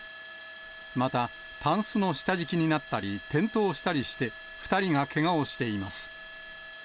また、たんすの下敷きになったり、転倒したりして、２人がけがをしています。